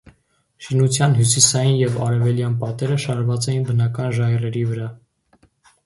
Շինության հյուսիսային և արևելյան պատերը շարված էին բնական ժայռերի վրա։